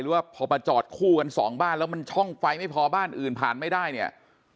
ว่าพอมาจอดคู่กันสองบ้านแล้วมันช่องไฟไม่พอบ้านอื่นผ่านไม่ได้เนี่ย